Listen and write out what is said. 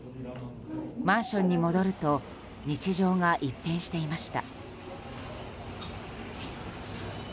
マンションに戻ると日常が一変していました。